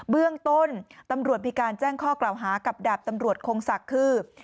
เบื้องต้นตำรวจมีการแจ้งข้อกล่าวหากับดาบตำรวจคงศักดิ์คือ